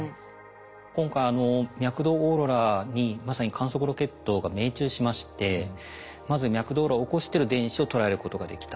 今回脈動オーロラにまさに観測ロケットが命中しましてまず脈動オーロラを起こしてる電子をとらえることができた。